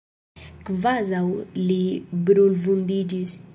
Kvazaŭ li brulvundiĝis.